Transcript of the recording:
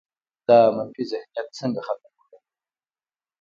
دا منفي ذهنیت څنګه ختم کړو؟